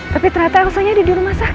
tapi ternyata rasanya ada di rumah sakit